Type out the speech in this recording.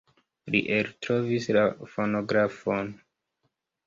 Li eltrovis la fonografon.